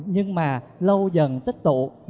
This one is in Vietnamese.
nhưng mà lâu dần tích tụ